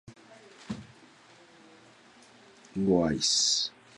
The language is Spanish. Fue oficial administrativo en varios órganos del gobierno de Goiás.